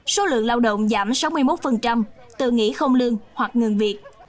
số lượng lao động giảm sáu mươi một từ nghỉ không lương hoặc ngừng việc